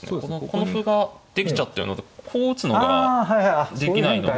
この歩ができちゃってこう打つのができないので。